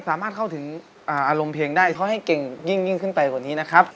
สามารถเข้าถึงอารมณ์เพลงได้เขาให้เก่งยิ่งขึ้นไปกว่านี้นะครับ